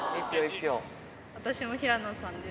私も平野さんです。